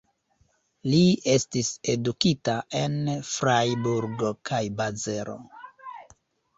Li estis edukita en Frajburgo kaj Bazelo.